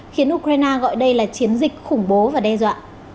khiến ukraine gọi đây là chiến dịch khủng bố và đe dọa